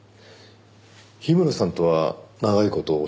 氷室さんとは長い事お仕事を？